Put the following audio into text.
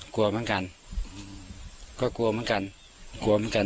กลัวเหมือนกันก็กลัวเหมือนกันกลัวเหมือนกัน